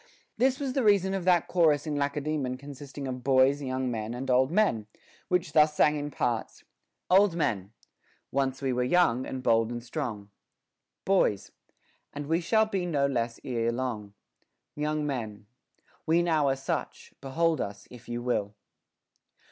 This was the reason of that chorus in Lace daemon consisting of boys, young men, and old men, which thus sang in parts :— Old Men. Once we were young, and bold and strong. Boys. And we shall be no less ere long. Young Men. We now are such ; behold us, if you will.